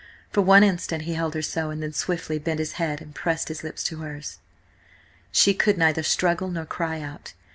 For one instant he held her so, and then swiftly bent his head and pressed his lips to hers. She could neither struggle nor cry out.